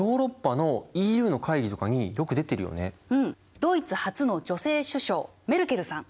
ドイツ初の女性首相メルケルさん。